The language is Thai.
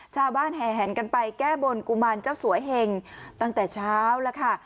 แห่แหนกันไปแก้บนกุมารเจ้าสวยเห็งตั้งแต่เช้าแล้วค่ะ